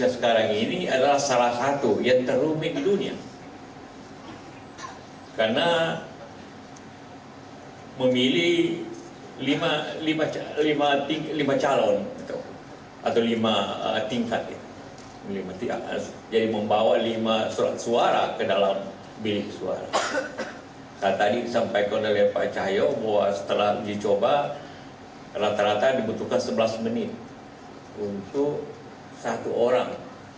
saya tadi sampai kondelnya pak cahyok bahwa setelah dicoba rata rata dibutuhkan sebelas menit untuk satu orang